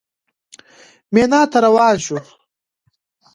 مینا ته روان شوو.